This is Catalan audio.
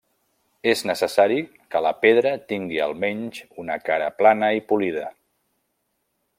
És necessari que la pedra tingui almenys una cara plana i polida.